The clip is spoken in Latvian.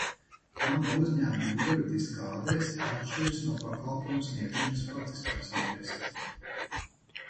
Mana uzņēmuma juridiskā adrese atšķiras no pakalpojuma sniegšanas faktiskās adreses.